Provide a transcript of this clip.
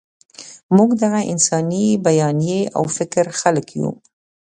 موږ د دغه انساني بیانیې او فکر خلک یو.